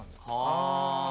ああ。